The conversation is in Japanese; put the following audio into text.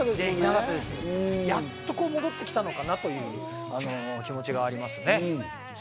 やっと戻ってきたのかなっていう気持ちがありますね。